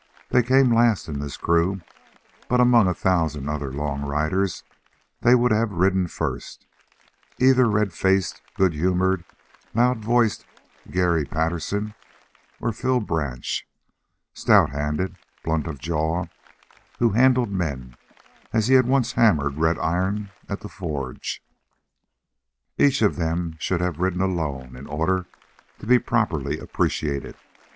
They came last in this crew, but among a thousand other long riders they would have ridden first, either red faced, good humored, loud voiced Garry Patterson, or Phil Branch, stout handed, blunt of jaw, who handled men as he had once hammered red iron at the forge. Each of them should have ridden alone in order to be properly appreciated.